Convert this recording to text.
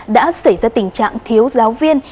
đã xảy ra tình trạng thiếu giáo viên